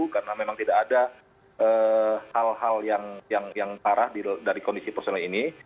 karena memang tidak ada hal hal yang parah dari kondisi personel ini